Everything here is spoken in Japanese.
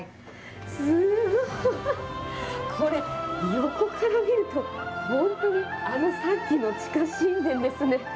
すごい！これ、横から見ると本当にあの、さっきの地下神殿ですね。